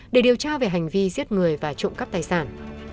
để điều tra về hành vi giết người và trộm cắp tài sản